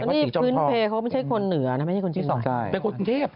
สมีคคลึ้นเปรย์เขาไม่ใช่คนเหนือเนี่ย